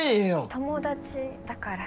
友達だから。